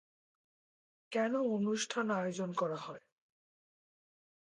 কেন অনুষ্ঠান আয়োজন করা হয়?